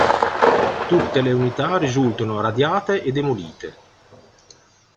Tutte le unità risultano radiate e demolite.